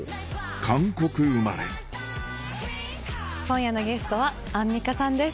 韓国生まれ今夜のゲストはアンミカさんです。